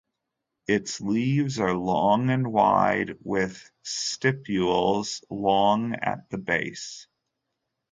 Its leaves are long and wide with stipules long at the base.